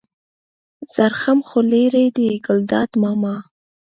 زرخم خو لېرې دی ګلداد ماما.